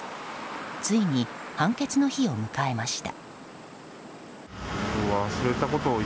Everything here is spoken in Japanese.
ついに判決の日を迎えました。